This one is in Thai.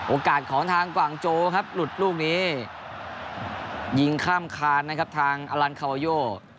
โอกาสของทางกว่างโจครับหลุดลูกนี้ยิงข้ามคานนะครับทางอลันคาวาโย